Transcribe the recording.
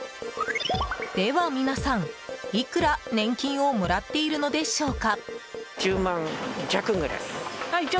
では皆さん、いくら年金をもらっているのでしょうか？